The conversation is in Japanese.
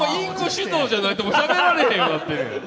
インコ主導じゃないとしゃべられへんくなってる。